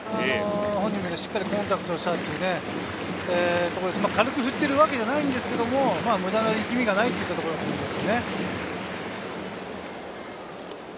本人もしっかりコンタクトしたという、ところで、軽く振ってるわけじゃないんですけれど、無駄な力みがないというところだと思いますね。